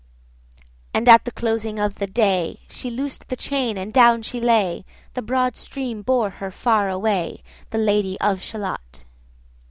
And at the closing of the day She loosed the chain, and down she lay; The broad stream bore her far away, The Lady of Shalott.